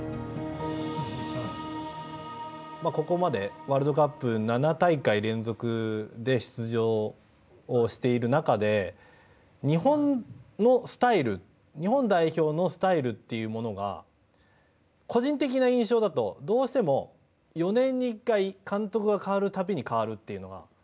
ここまでワールドカップ７大会連続で出場をしている中で日本のスタイル日本代表のスタイルというものが個人的な印象だとどうしても、４年に１回監督が変わるたびに変わるという。